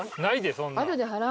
ないでそんなん。